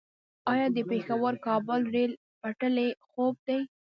آیا د پیښور - کابل ریل پټلۍ خوب دی؟